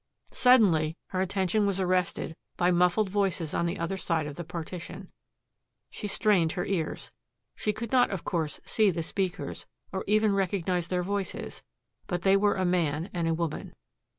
Suddenly her attention was arrested by muffled voices on the other side of the partition. She strained her ears. She could not, of course, see the speakers, or even recognize their voices, but they were a man and a woman.